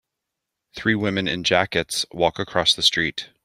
Three women in jackets walk across the street.